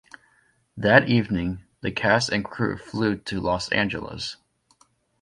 That evening, the cast and crew flew to Los Angeles.